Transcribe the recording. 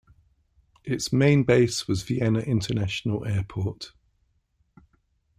Its main base was Vienna International Airport.